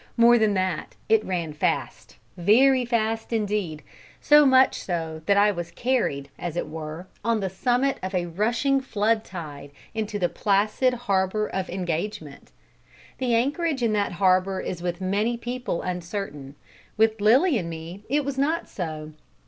More than that, it ran fast very fast indeed, so much so that I was carried, as it were, on the summit of a rushing flood tide into the placid harbour of Engagement. The anchorage in that harbour is with many people uncertain. With Lilly and me it was not so.